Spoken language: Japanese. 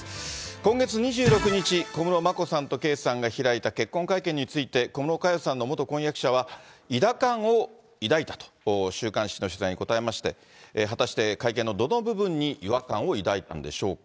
今月２６日、小室眞子さんと圭さんが開いた結婚会見について、小室佳代さんの元婚約者は、違和感を抱いたと、週刊誌の取材に応えまして、果たして会見のどの部分に違和感を抱いたんでしょうか。